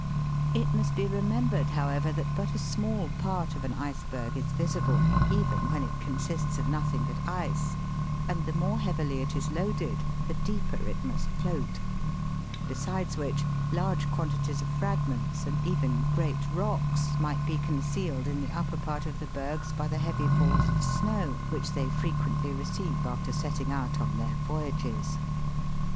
It must be remembered, however, that but a small part of an iceberg is visible, even when it consists of nothing but ice, and the more heavily it is loaded the deeper it must float \ besides which, large quantities of fragments, and even great rocks, might be concealed in the upper part of the bergs by the heavy falls of snow which they frequently receive after setting out on their voyages.